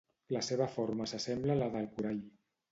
La seva forma s'assembla a la del corall.